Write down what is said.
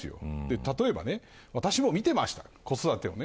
例えばね私も見てました、子育てをね。